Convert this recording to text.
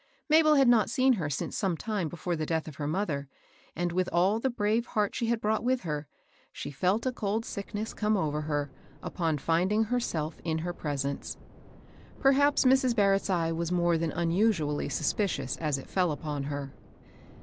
Mabel had not seen her since some time before the death of her mother, and, with all th§ brave heart she had brought with her, she felt a cold sickness come over her, upon finding herself in her presence. Perhaps Mrs. Barrett's eye was more than usually suspicious as it fell upon her.